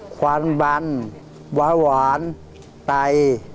ความบันวาหวานไต